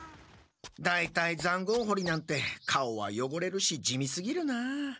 だいたいざんごうほりなんて顔はよごれるし地味すぎるな。